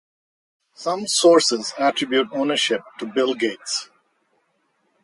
Some sources attribute ownership to Bill Gates.